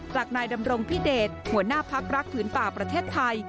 จากนายดำรงพิเดชหัวหน้าพักรักผืนป่าประเทศไทย